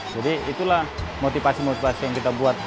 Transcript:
jadi itulah motivasi motivasi yang kita buat